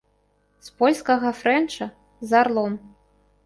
З польскага фрэнча, з арлом.